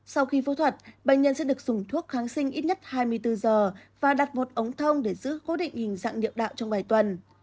sau khi phẫu thuật bệnh nhân sẽ được dùng thuốc kháng sinh ít nhất hai mươi bốn giờ và đặt một ống thông để giữ cố định hình dạng niệm đạo trong vài tuần